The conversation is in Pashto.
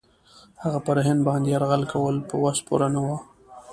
هغه پر هند باندي یرغل کول په وس پوره نه وه.